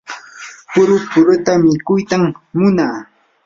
puru puruta mikuytam munaa.